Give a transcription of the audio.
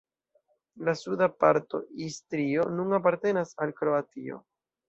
La suda parto Istrio nun apartenas al Kroatio.